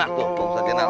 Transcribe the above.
nah tuh tuh ustaz jinal